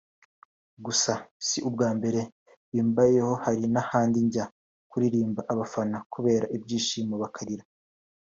gusa si ubwa mbere bimbayeho hari n’ahandi njya kuririmba abafana kubera ibyishimo bakarira